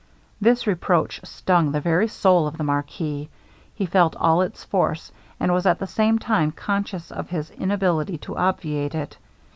This reproach stung the very soul of the marquis; he felt all its force, and was at the same time conscious of his inability to obviate it.